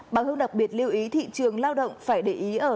bà hương đặc biệt lưu ý thị trường lao động phải để ý ở